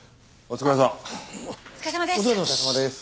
お疲れさまです。